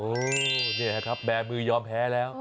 นี่แหละครับแบร์มือยอมแพ้แล้ว